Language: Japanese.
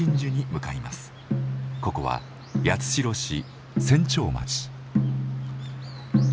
ここは八代市千丁町。